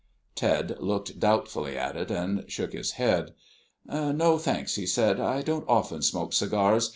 Ted looked doubtfully at it, and shook his head. "No, thanks," he said; "I don't often smoke cigars.